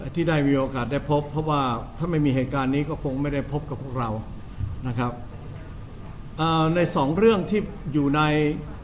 ที่ได้มีโอกาสได้พบเพราะว่าถ้าไม่มีเหตุการณ์นี้ก็คงไม่ได้พบกับพวกเรานะครับอ่าในสองเรื่องที่อยู่ใน